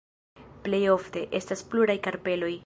Plejofte, estas pluraj karpeloj.